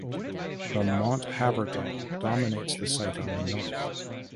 The Mont Havergal dominates the site on the North.